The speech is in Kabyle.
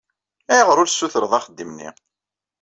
Ayɣer ur tessutreḍ axeddim-nni?